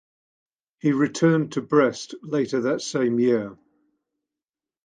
He returned to Brest later that same year.